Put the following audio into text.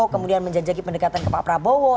kemudian menjajaki pendekatan ke pak prabowo